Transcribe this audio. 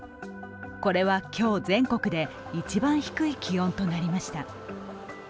これは今日、全国で一番低い気温となりました。